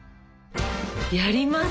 やります！